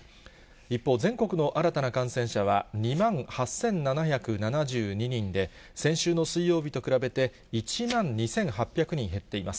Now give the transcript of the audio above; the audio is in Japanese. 一方、全国の新たな感染者は２万８７７２人で、先週の水曜日と比べて１万２８００人減っています。